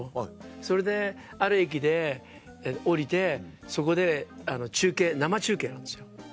それである駅で降りてそこで中継生中継なんですよ。